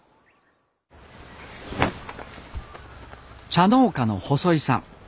茶農家の細井さん。